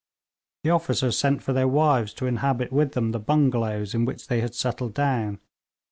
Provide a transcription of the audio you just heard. The officers sent for their wives to inhabit with them the bungalows in which they had settled down.